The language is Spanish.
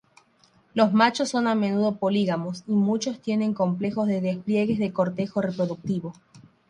Los machos son a menudo polígamos, y muchos tienen complejos despliegues de cortejo reproductivo.